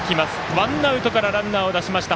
ワンアウトからランナー出しました。